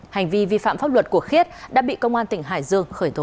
hành vi vi phạm pháp luật của khiết đã bị công an tỉnh hải dương khởi tố